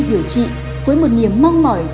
điều trị với một niềm mong mỏi